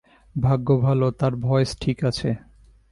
ভাগ্য ভালো তার ভয়েস ঠিক আছে।